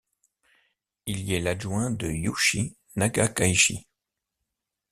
Il y est l'adjoint de Yuichi Nakagaichi.